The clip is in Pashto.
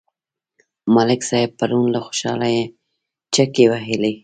ملک صاحب پرون له خوشحالۍ چکې وهلې.